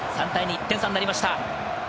１点差になりました。